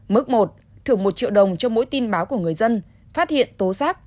mức một thưởng một triệu đồng cho mỗi tin báo của người dân phát hiện tố giác